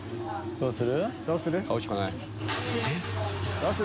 どうする？